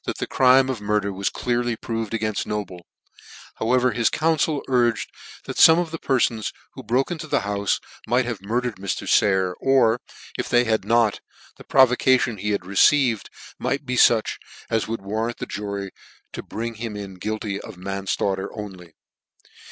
the crime of the murder was clearly proved againft Noble: however his council urged that fome of the perfons who broke into the houfe might have murdered Mr. Sayer, or, if they had not, the provocation he had received might be fuch as would warrant the jury in bringing him in guilty of manflaughter only.